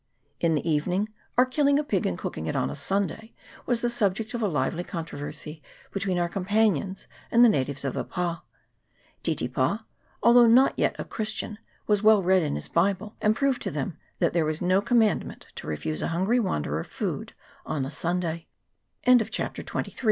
In the "evening our killing a pig and cooking it on a Sunday was the subject of a lively controversy between our companions and the natives of the pa. Titipa, although not yet a Chris tian, was well read in his Bible, and proved to them that there was no commandment to refuse a hungry